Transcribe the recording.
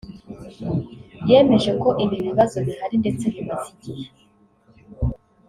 yemeje ko ibi bibazo bihari ndetse bimaze igihe